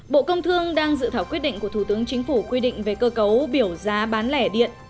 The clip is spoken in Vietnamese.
bộ công thương đang dự thảo quyết định của thủ tướng chính phủ quy định về cơ cấu biểu giá bán lẻ điện